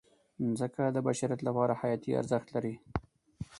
مځکه د بشریت لپاره حیاتي ارزښت لري.